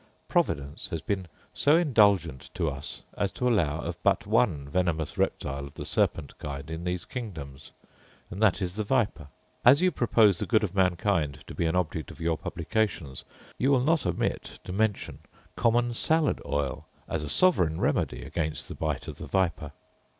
Providence has been so indulgent to us as to allow of but one venomous reptile of the serpent kind in these kingdoms, and that is the viper. As you propose the good of mankind to be an object of your publications, you will not omit to mention common salad oil as a sovereign remedy against the bite of the viper.